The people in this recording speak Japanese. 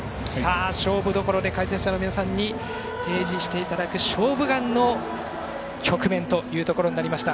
勝負どころで解説者の皆さんに提示していただく「勝負眼」の局面というところになりました。